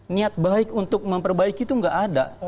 niat baik untuk memperbaiki itu nggak ada